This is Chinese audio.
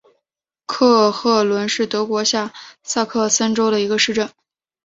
克赫伦是德国下萨克森州的一个市镇。